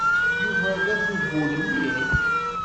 Yuba d abubul mliḥ.